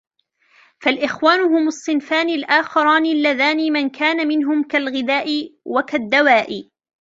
فَالْإِخْوَانُ هُمْ الصِّنْفَانِ الْآخَرَانِ اللَّذَانِ مَنْ كَانَ مِنْهُمْ كَالْغِذَاءِ وَكَالدَّوَاءِ